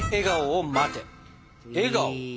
笑顔？